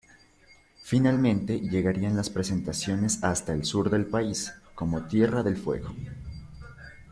Finalmente llegarían las presentaciones hasta el sur del país, como Tierra del Fuego.